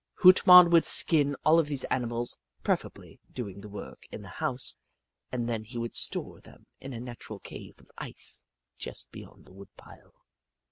Hoot Mon would skin all of these animals, prefer ably doing the work in the house, and then he would store them in a natural cave of ice just beyond the wood pile.